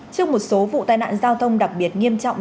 trước một số vụ tai nạn giao thông đặc biệt nghiêm trọng